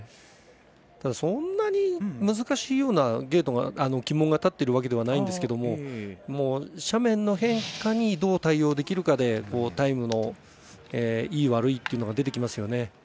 ただそんなに難しいような旗門が立ってるわけではないんですけど斜面の変化にどう対応できるかでタイムのいい悪いっていうのが出てきますよね。